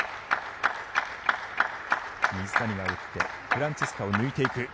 水谷が打ってフランツィスカを抜いていく。